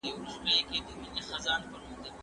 تاسو باید د غریبانو سره مرسته وکړئ.